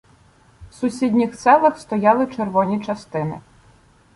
в сусідніх селах стояли червоні частини.